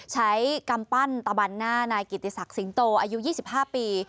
กำปั้นตะบันหน้านายกิติศักดิ์สิงโตอายุ๒๕ปี